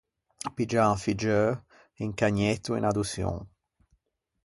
Piggiâ un figgeu, un cagnetto in adoçion.